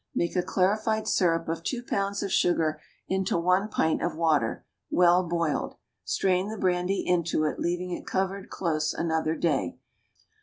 Make a clarified syrup of two pounds of sugar into one pint of water, well boiled; strain the brandy into it, leaving it covered close another day.